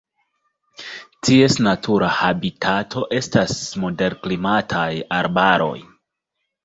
Ties natura habitato estas moderklimataj arbaroj.